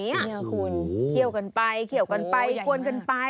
นี่คุณเคี่ยวกันไปเคี่ยวกันไปกวนกันไป